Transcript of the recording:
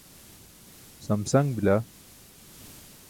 samsaṅ bila